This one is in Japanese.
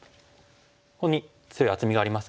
ここに強い厚みがありますけども。